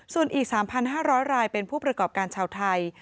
ส่วนอีก๓๕๐๐รายเป็นผู้ประกอบการชาวไทย